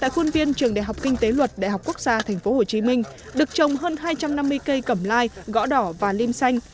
tại khuôn viên trường đại học kinh tế luật đại học quốc gia tp hcm được trồng hơn hai trăm năm mươi cây cẩm lai gõ đỏ và lim xanh